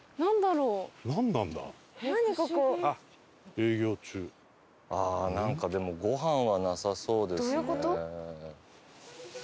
「営業中」ああなんかでもごはんはなさそうですね。